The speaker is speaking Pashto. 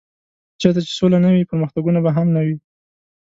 چېرته چې سوله نه وي پرمختګ به هم نه وي.